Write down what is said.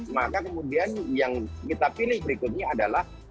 maka kemudian yang kita pilih berikutnya adalah